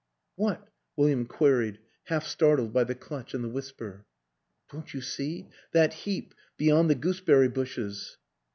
"What?" William queried, half startled by the clutch and the whisper. "Don't you see? that heap ... beyond the gooseberry bushes